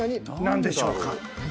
何でしょう？